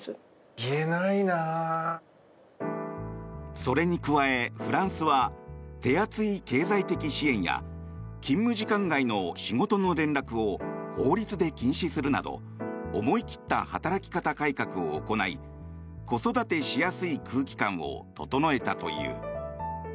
それに加え、フランスは手厚い経済的支援や勤務時間外の仕事の連絡を法律で禁止するなど思い切った働き方改革を行い子育てしやすい空気感を整えたという。